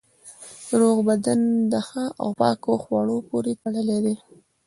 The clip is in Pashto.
روغ بدن په ښه او پاکو خوړو پورې تړلی دی.